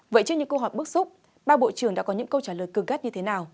vậy trước những câu hỏi bức xúc ba bộ trưởng đã có những câu trả lời cử kết như thế nào